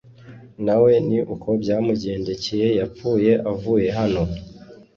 na we ni uko byamugendekeye yapfuye avuye hano